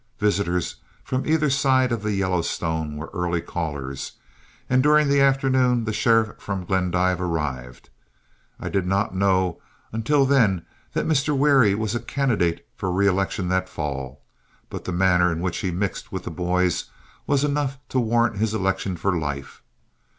Visitors from either side of the Yellowstone were early callers, and during the afternoon the sheriff from Glendive arrived. I did not know until then that Mr. Wherry was a candidate for reelection that fall, but the manner in which he mixed with the boys was enough to warrant his election for life.